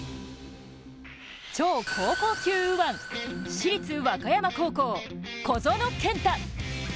超高校級右腕、市立和歌山高校、小園健太。